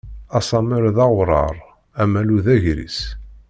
Asammer d aɣuṛaṛ, amalu d agris.